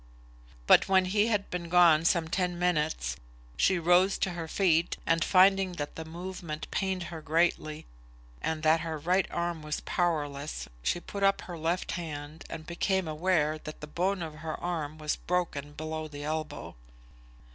But when he had been gone some ten minutes, she rose to her feet, and finding that the movement pained her greatly, and that her right arm was powerless, she put up her left hand and became aware that the bone of her arm was broken below the elbow.